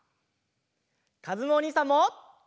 かずむおにいさんも。